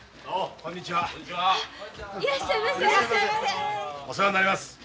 お世話になります。